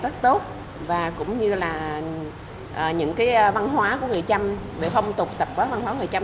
rất tốt và cũng như là những cái văn hóa của người trăm về phong tục tập quán văn hóa người trăm